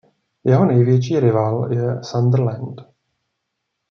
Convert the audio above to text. Jeho největší rival je Sunderland.